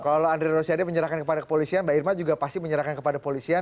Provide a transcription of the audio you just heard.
kalau andre rosiade menyerahkan kepada kepolisian mbak irma juga pasti menyerahkan kepada polisian